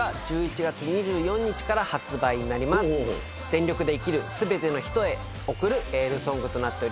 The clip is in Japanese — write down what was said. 全力で生きる全ての人へ送るエールソングとなっております。